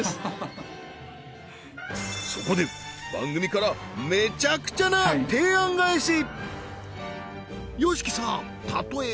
そこで番組からめちゃくちゃな提案返しん？